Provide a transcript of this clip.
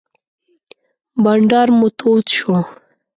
بانډار مو تود شو.